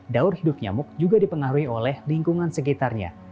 daur hidup nyamuk juga dipengaruhi oleh lingkungan sekitarnya